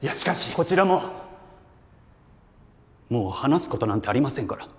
こちらももう話すことなんてありませんから。